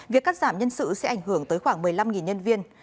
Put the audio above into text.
việc cắt giảm nhân sự sẽ ảnh hưởng tới khoảng một mươi năm nhân viên